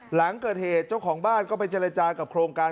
หลังเกิดเหตุเจ้าของบ้านก็ไปเจรจากับโครงการ